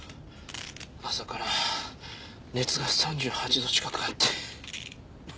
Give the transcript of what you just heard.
朝から熱が３８度近くあって。